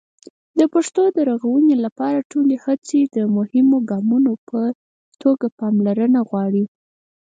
د پښتو د ژغورنې لپاره ټولې هڅې د مهمو ګامونو په توګه پاملرنه غواړي.